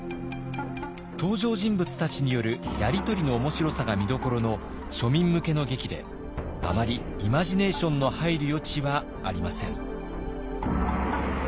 登場人物たちによるやりとりの面白さが見どころの庶民向けの劇であまりイマジネーションの入る余地はありません。